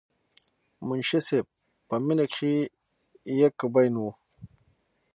منشي صېب پۀ مينه کښې يک بين وو،